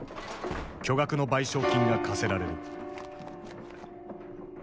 巨額の賠償金が課せられる。